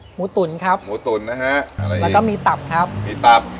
หมูตุ๋นครับหมูตุ๋นนะฮะอะไรครับแล้วก็มีตับครับมีตับ